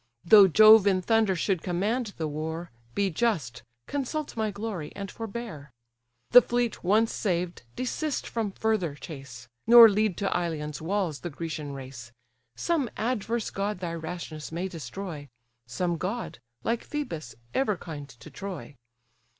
Though Jove in thunder should command the war, Be just, consult my glory, and forbear. The fleet once saved, desist from further chase, Nor lead to Ilion's walls the Grecian race; Some adverse god thy rashness may destroy; Some god, like Phœbus, ever kind to Troy.